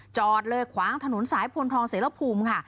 จอดเลยขวางถนนสายพลทองเสรภูมิค่ะ